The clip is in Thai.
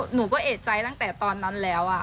หนูก็เอกใจตั้งแต่ตอนนั้นแล้ว